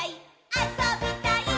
あそびたいっ！！」